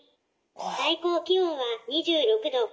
最高気温は２６度。